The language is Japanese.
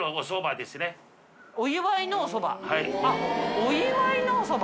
お祝いのおそば。